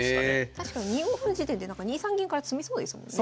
確かに２五歩の時点で２三銀から詰みそうですもんね。